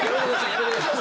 やめてください！